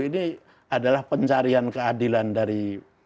ini adalah pencarian keadilan dari